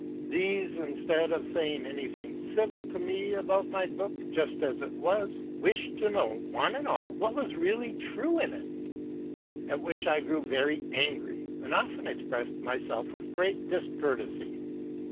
These, instead of saying any thing civil to me about my book just as it was, wished to know, one and all, what was really true in it; at which I grew very angry, and often expressed myself with great discourtesy.